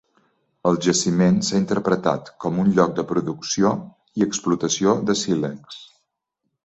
El jaciment s'ha interpretat com un lloc de producció i explotació de sílex.